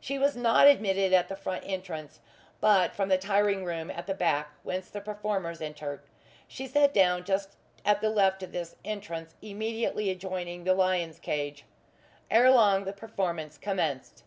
She was not admitted at the front entrance, but from the tiring room at the back whence the performers enter. She sat down just at the left of this entrance, immediately adjoining the lion's cage. Ere long the performance commenced.